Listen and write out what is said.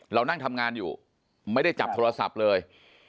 เรานั่งทำงานอยู่ไม่ได้จับโทรศัพท์เลย